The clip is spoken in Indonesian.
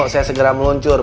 saya segera meluncur